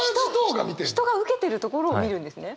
人が受けてるところを見るんですね？